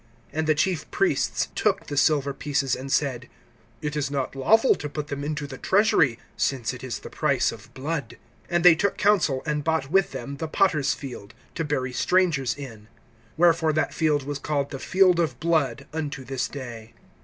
(6)And the chief priests took the silver pieces, and said: It is not lawful to put them into the treasury, since it is the price of blood. (7)And they took counsel, and bought with them the potter's field, to bury strangers in. (8)Wherefore that field was called the field of blood, unto this day.